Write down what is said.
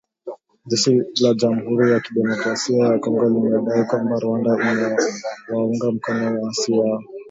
Jeshi la jamuhuri ya kidemokrasia ya kongo limedai kwamba Rwanda inawaunga mkono waasi hao